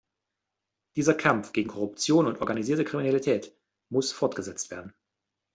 Dieser Kampf gegen Korruption und organisierte Kriminalität muss fortgesetzt werden.